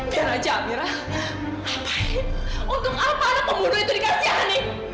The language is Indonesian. biar aja amira apa ini untuk apa pembunuh itu dikasihani